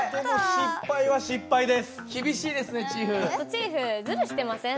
チーフずるしてません？